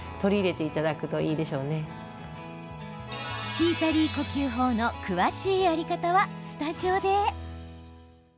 シータリー呼吸法の詳しいやり方はスタジオで。